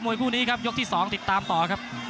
วยคู่นี้ครับยกที่๒ติดตามต่อครับ